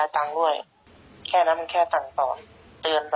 ตามไหม